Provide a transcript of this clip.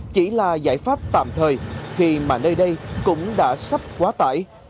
chỉ là giải pháp tạm thời khi mà nơi đây cũng đã sắp quá tải